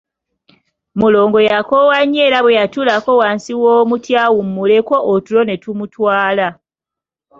Mulongo yakoowa nnyo era bwe yatuulako wansi w'omuti awumuleko otulo ne tumutwala.